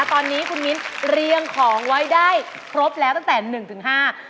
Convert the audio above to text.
ตอนนี้คุณมิ้นเรียงของไว้ได้ครบแล้วตั้งแต่๑๕